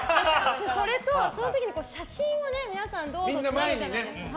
それと正直、写真を皆さんどうぞってなるじゃないですか。